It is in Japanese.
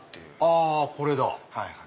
あこれだ！